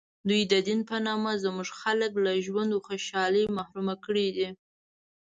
دوی د دین په نامه زموږ خلک له ژوند و خوشحالۍ محروم کړي دي.